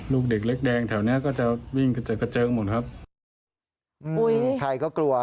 ลูกเด็กเล็กแดงแถวนี้ก็จะวิ่งกระเจ๊งหมดครับ